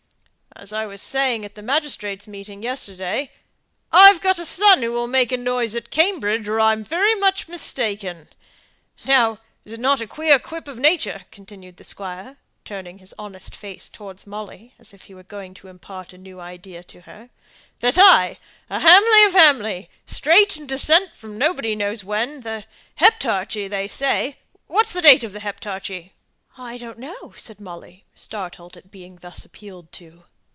As I was saying at the magistrates' meeting yesterday, 'I've got a son who will make a noise at Cambridge, or I'm very much mistaken.' Now, isn't it a queer quip of Nature," continued the squire, turning his honest face towards Molly, as if he was going to impart a new idea to her, "that I, a Hamley of Hamley, straight in descent from nobody knows where the Heptarchy, they say What's the date of the Heptarchy?" "I don't know," said Molly, startled at being thus appealed to.